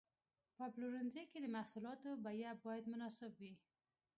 په پلورنځي کې د محصولاتو بیه باید مناسب وي.